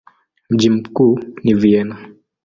Mji mkuu ni Vienna.